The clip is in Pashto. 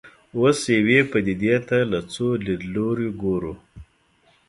اوس یوې پدیدې ته له څو لیدلوریو ګورو.